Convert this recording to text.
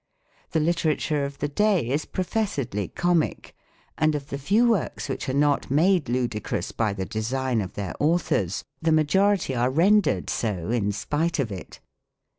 The literature of the day is professedly comic, and of the few works which are not made ludicrous by the de sign of their authors, the majority are rendered so in 140 ' ADDRESS TO spite of it.